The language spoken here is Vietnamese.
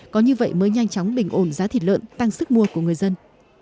có như vậy mới nhanh chóng bình ổn giá thịt lợn tăng sức mua của người dân